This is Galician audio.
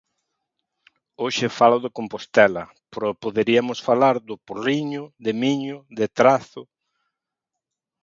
Hoxe falo de Compostela, pero poderiamos falar do Porriño, de Miño, de Trazo...